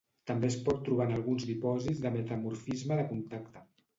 També es pot trobar en alguns dipòsits de metamorfisme de contacte.